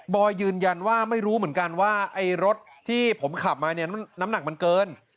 อยยืนยันว่าไม่รู้เหมือนกันว่าไอ้รถที่ผมขับมาเนี่ยน้ำหนักมันเกิน